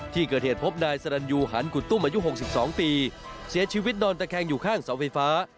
ที่เกิดเหตุพบนายสรรยูหารกุตุ้มอายุ๖๒ปีเสียชีวิตนอนตะแคงอยู่ข้างเสาไฟฟ้า